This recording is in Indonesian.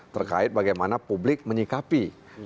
terkait bagaimana publik menyikapi